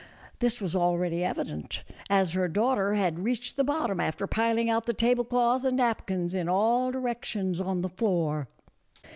This was already evident, as her daughter had reached the bottom after piling out the table cloths and napkins in all directions on the floor.